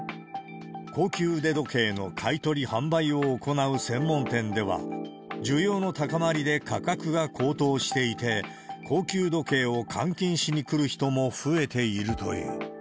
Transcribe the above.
高級腕時計の買い取り販売を行う専門店では、需要の高まりで価格が高騰していて、高級時計を換金しに来る人も増えているという。